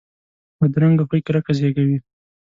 بدرنګه خوی کرکه زیږوي